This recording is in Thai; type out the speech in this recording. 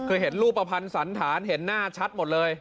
คือเห็นรูปภัณฑ์สันฐานเห็นหน้าชัดหมดเลย